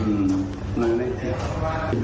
ไม่ได้คุยกับบ้าน